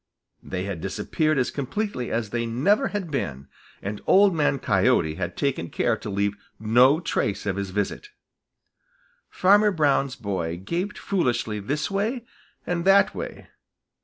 They had disappeared as completely as if they never had been, and Old Man Coyote had taken care to leave no trace of his visit. Farmer Brown's boy gaped foolishly this way and that way.